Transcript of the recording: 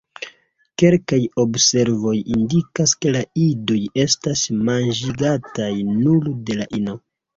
Kelkaj observoj indikas ke la idoj estas manĝigataj nur de la ino.